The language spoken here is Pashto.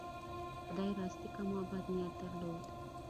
خدای راستي که ما بد نیت درلود.